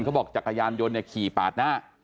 เขาบอกจักรยานยนต์ขี่ปาดนะ